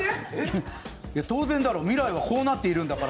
当然だろ、未来はこうなっているんだから。